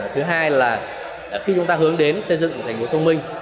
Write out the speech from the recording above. thứ hai là khi chúng ta hướng đến xây dựng thành phố thông minh